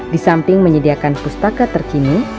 di samping menyediakan pustaka terkini